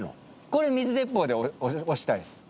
これ水鉄砲で押したいっす。